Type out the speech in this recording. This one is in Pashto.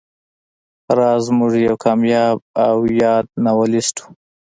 راز زموږ یو کامیاب او یاد ناولسټ و